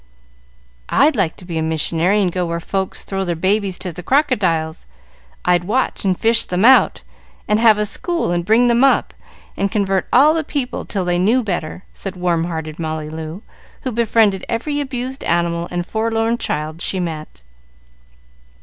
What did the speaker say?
"I'd like to be a missionary and go where folks throw their babies to the crocodiles. I'd watch and fish them out, and have a school, and bring them up, and convert all the people till they knew better," said warm hearted Molly Loo, who befriended every abused animal and forlorn child she met.